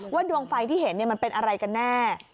ดวงไฟที่เห็นมันเป็นอะไรกันแน่